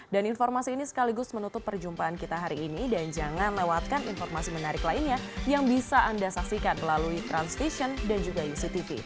dan informasi ini sekaligus menutup perjumpaan kita hari ini dan jangan lewatkan informasi menarik lainnya yang bisa anda saksikan melalui transvision dan juga yctv